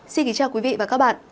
xin kính chào quý vị và các bạn